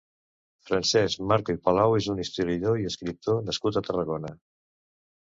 Francesc Marco i Palau és un historiador i escriptor nascut a Tarragona.